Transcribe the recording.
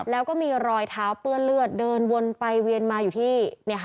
แล้วก็มีรอยเท้าเปื้อนเลือดเดินวนไปเวียนมาอยู่ที่